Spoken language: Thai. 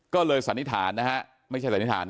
ก็เลยสันนิษฐานนะฮะไม่ใช่สันนิษฐาน